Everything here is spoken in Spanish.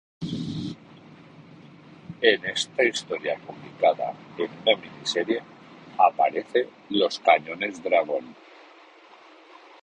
En esta historia publicada en una miniserie aparece los Cañones Dragón.